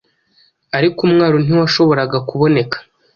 ariko umwaro ntiwashoboraga kuboneka.